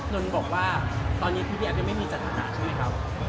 น้นบอกว่าตอนนี้พี่แอฟยังไม่มีสาธารณะใช่มั้ยครับ